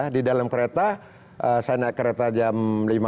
di dalam kereta saya nak kereta jam lima belas